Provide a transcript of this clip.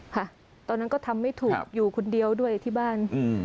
ค่ะตอนนั้นก็ทำไม่ถูกอยู่คนเดียวด้วยที่บ้าน